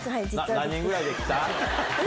何人ぐらいできた？